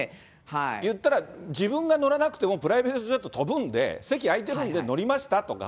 言ったら、自分が乗らなくてもプライベートジェット飛ぶんで、席空いてるんで乗りましたとか。